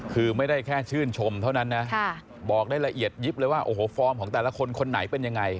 คือไม่ได้แค่ชื่นชมเท่านั้นนะบอกได้ละเอียดยิบเลยว่าโอ้โหฟอร์มของแต่ละคนคนไหนเป็นยังไง